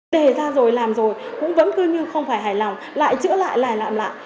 đề ra rồi làm rồi cũng vẫn cứ như không phải hài lòng lại chữa lại lại làm lại